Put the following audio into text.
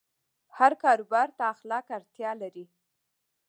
هر کاروبار ته اخلاق اړتیا لري.